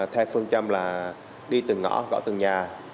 theo phương châm là đi từng ngõ gõ từng nhà